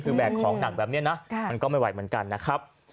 คือแบกของหนักแบบนี้นะมันก็ไม่ไหวเหมือนกันนะครับ